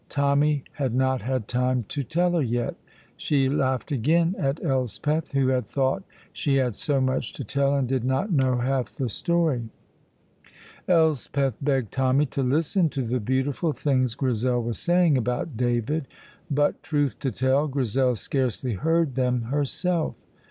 Tommy had not had time to tell her yet. She laughed again at Elspeth, who had thought she had so much to tell and did not know half the story. Elspeth begged Tommy to listen to the beautiful things Grizel was saying about David, but, truth to tell, Grizel scarcely heard them herself.